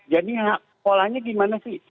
jadi polanya gimana sih